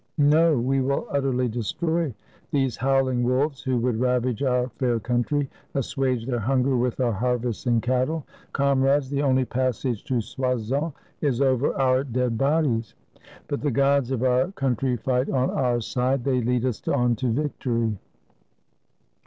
No; we will utterly destroy these howling wolves who would ravage our fair country, assuage their hunger with our harvests and cattle. Comrades, the only passage to Soissons is over our dead bodies. But the gods of our country fight on our side. They lead us on to victory!"